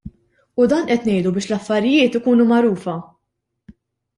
U dan qed ngħidu biex l-affarijiet ikunu magħrufa!